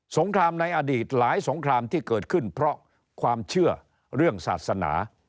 งครามในอดีตหลายสงครามที่เกิดขึ้นเพราะความเชื่อเรื่องศาสนา